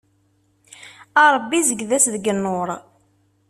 A Ṛebbi zegged-as deg nnur.